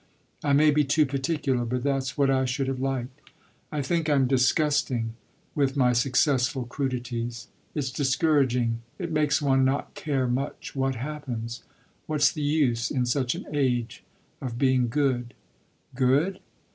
I may be too particular, but that's what I should have liked. I think I'm disgusting with my successful crudities. It's discouraging; it makes one not care much what happens. What's the use, in such an age, of being good?" "Good?